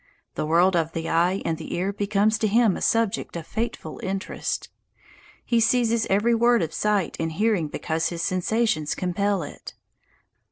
The world of the eye and the ear becomes to him a subject of fateful interest. He seizes every word of sight and hearing because his sensations compel it.